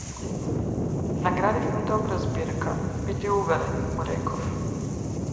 Наградивме добра збирка, биди уверен, му реков.